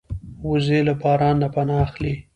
وزې له باران نه پناه اخلي